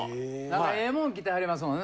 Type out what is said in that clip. ええもん着てはりますもんね